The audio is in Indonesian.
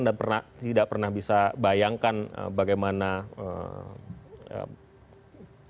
saya tidak pernah bisa bayangkan bagaimana pengalaman saya terhadap buah buahan saya